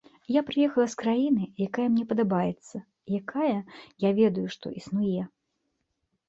Я прыехала з краіны, якая мне падабаецца, якая, я ведаю, што існуе.